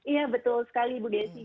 iya betul sekali bu desi